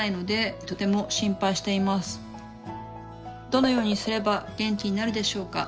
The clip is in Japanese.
どのようにすれば元気になるでしょうか？